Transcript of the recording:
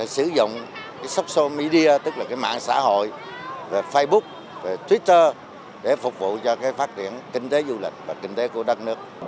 sử dụng supso midir tức là mạng xã hội facebook twitter để phục vụ cho phát triển kinh tế du lịch và kinh tế của đất nước